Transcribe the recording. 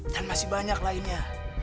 dan masih banyak lainnya